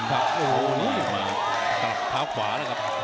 กลับเท้าขวาแล้วครับ